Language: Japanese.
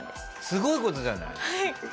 すごい事じゃない。